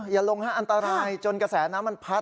อย่าลงฮะอันตรายจนกระแสน้ำมันพัด